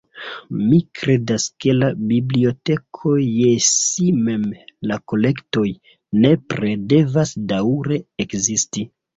Mi kredas ke la biblioteko je si mem, la kolektoj, nepre devas daŭre ekzisti.